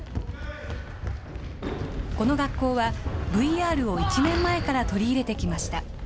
この学校はＶＲを１年前から取り入れてきました。